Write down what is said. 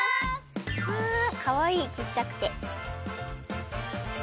かわいいちっちゃくて。